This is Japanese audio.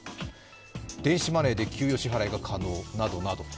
電子マネーで給与支払いが可能などなど。